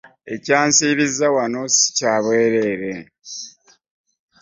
Ekyansiibizza wano si kya bwereere.